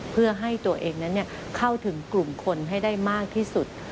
เพื่อให้ตัวเองนั้นเข้าถึงกลุ่มคนให้ได้มากที่สุด